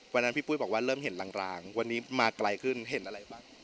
วันนั้นพี่ปุ้ยบอกว่าเริ่มเห็นรางวันนี้มาไกลขึ้นเห็นอะไรบ้าง